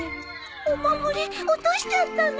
お守り落としちゃったの。